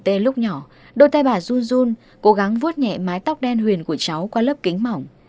tê lúc nhỏ đôi tay bà run run cố gắng vuốt nhẹ mái tóc đen huyền của cháu qua lớp kính mỏng